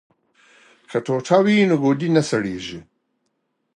که ټوټه وي نو ګوډی نه سړیږي.